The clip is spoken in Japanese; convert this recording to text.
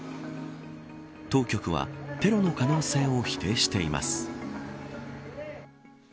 当局はテロの可能性を否定しています。